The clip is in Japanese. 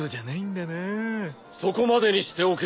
・そこまでにしておけ。